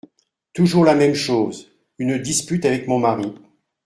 Toujours la même chose : une dispute avec mon mari.